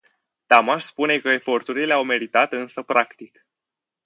Tamaș spune că eforturile au meritat însă practic.